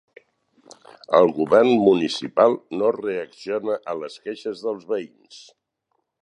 El Govern Municipal no reacciona a les queixes dels veïns.